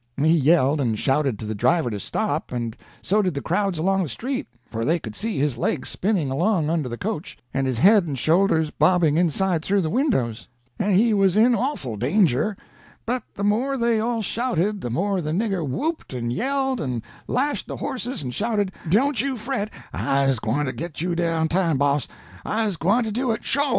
He yelled and shouted to the driver to stop, and so did the crowds along the street, for they could see his legs spinning along under the coach, and his head and shoulders bobbing inside through the windows, and he was in awful danger; but the more they all shouted the more the nigger whooped and yelled and lashed the horses and shouted, "Don't you fret, I'se gwine to git you dah in time, boss; I's gwine to do it, sho'!"